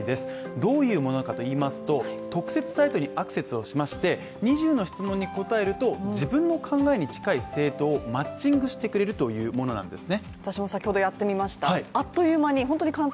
どういうものかといいますと、特設サイトにアクセスをしまして、２０の質問に答えると、自分の考えに近い政党をマッチングしてくれるというものなんですね。